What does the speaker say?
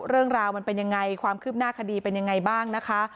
เรื่องราวมันเป็นยังไงความคืบหน้าคดีเป็นยังไงบ้างนะคะ